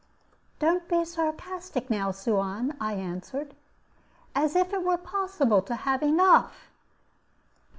"Don't be sarcastic, now, Suan," I answered; "as if it were possible to have enough!"